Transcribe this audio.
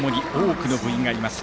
ともに多くの部員がいます。